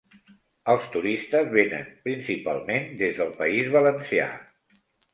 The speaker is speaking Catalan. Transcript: Els turistes venen, principalment des del País Valencià.